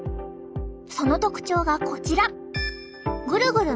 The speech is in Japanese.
その特徴がこちら！